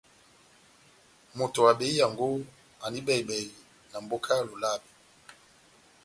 Moto wa behiyango andi bɛhi-bɛhi na mboka ya Lolabe.